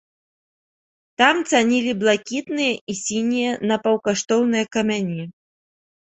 Там цанілі блакітныя і сінія напаўкаштоўныя камяні.